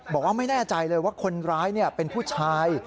บอกว่าไม่แน่ใจเลยว่าคนร้ายเป็นผู้ชาย